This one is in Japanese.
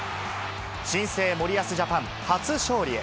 新生森保ジャパン初勝利へ。